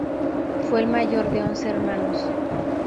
Fue el mayor de once hermanos.